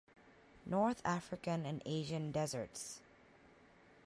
North-African and Asian deserts.